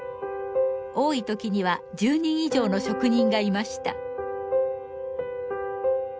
多いときには１０人以上の職人がいました。